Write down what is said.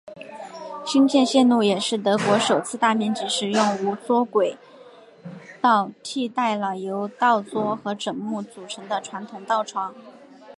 新建线路也是德国首次大面积使用无砟轨道替代了由道砟和枕木组成的传统道床。